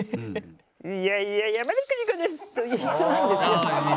いやいや山田邦子です！と一緒なんですよ。